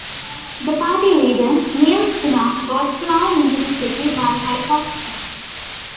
The party leader, Neil Kinnock, was flown into the city by helicopter.